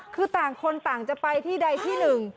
คือต่างคนต่างจะไปที่ใดที่หนึ่ง